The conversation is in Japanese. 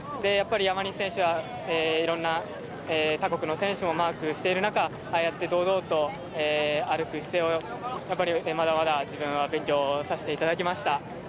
山西選手はいろんな他国の選手もマークしている中ああやって、堂々と歩く姿勢をまだまだ自分は勉強させていただきました。